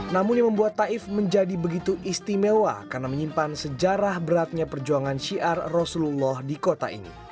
namun yang membuat taif menjadi begitu istimewa karena menyimpan sejarah beratnya perjuangan syiar rasulullah di kota ini